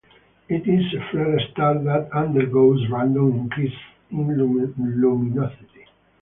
It is a flare star that undergoes random increases in luminosity.